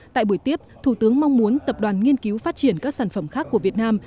tại buổi tiếp thủ tướng mong muốn tập đoàn nghiên cứu phát triển các sản phẩm khác của việt nam